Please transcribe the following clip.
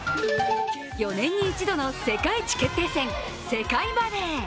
４年に一度の世界一決定戦世界バレー。